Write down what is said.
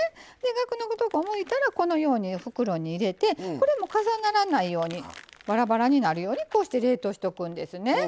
ガクのとこをむいたらこのように袋に入れてこれも重ならないようにバラバラになるようにこうして冷凍しとくんですね。